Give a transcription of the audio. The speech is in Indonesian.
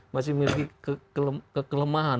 masih miliki kelemahan